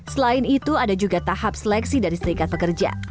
selain itu ada juga tahap seleksi dari serikat pekerja